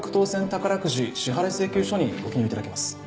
宝くじ支払い請求書にご記入いただきます